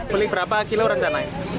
beli berapa kilo rendah naik